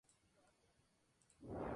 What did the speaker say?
Su licencia es Serbia.